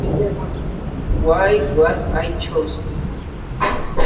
Why was I chosen?